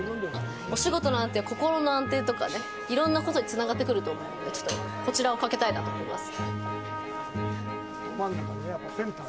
お仕事の安定は心の安定とかね、いろんなことにつながってくると思うのでこちらをかけたいなと思います。